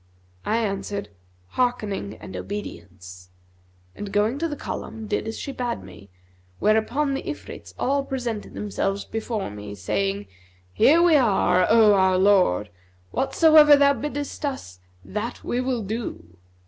I answered, 'Hearkening and obedience' and, going to the column, did as she bade me, where upon the Ifrits all presented themselves before me saying, 'Here are we, O our lord! Whatsoever thou biddest us, that will we do.'